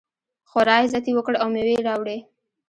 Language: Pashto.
خورا عزت یې وکړ او مېوې یې راوړې.